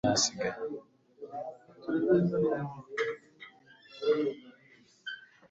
Mpa ikawa niba hari hasigaye